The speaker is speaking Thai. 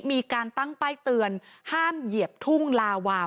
มีการตั้งป้ายเตือนห้ามเหยียบทุ่งลาวา